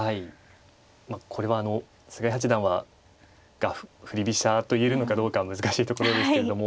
これは菅井八段は振り飛車と言えるのかどうか難しいところですけれども。